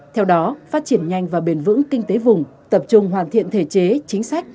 theo đó phát triển nhanh và bền vững kinh tế vùng tập trung hoàn thiện thể chế chính sách